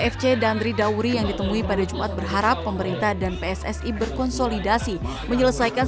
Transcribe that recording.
fc dan ridauri yang ditemui pada jumat berharap pemerintah dan pssi berkonsolidasi menyelesaikan